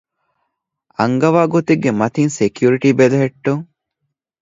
އަންގަވާގޮތެއްގެމަތީން ސެކިއުރިޓީ ބެލެހެއްޓުން